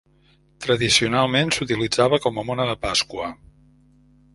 Tradicionalment s'utilitzava com a mona de Pasqua.